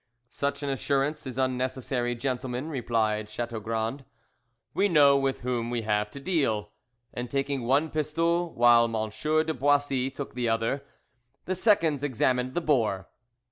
"Such an assurance is unnecessary, gentlemen," replied Chateaugrand, "we know with whom we have to deal," and taking one pistol, while M. de Boissy took the other, the seconds examined the bore.